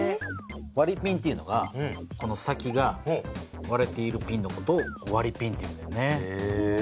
わりピンっていうのはこの先が割れているピンの事をわりピンっていうんだよね。